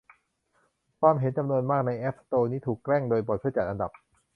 ความเห็นจำนวนมากในแอพสโตร์นี้ถูกแกล้งโดยบ็อตเพื่อจัดอันดับ